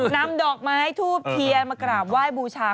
นำดอกไม้ทูบเทียนมากราบไหว้บูชา